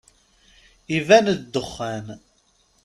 Iban-d ddexxan.